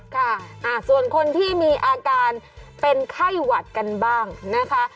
ค่ะส่วนคนที่มีอาการเป็นไข้หวัดกันบ้างนะคะ